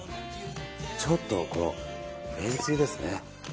ちょっと、めんつゆですね。